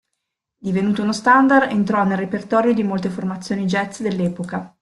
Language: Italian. Divenuto uno standard entrò nel repertorio di molte formazioni jazz dell'epoca.